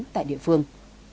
tại địa phương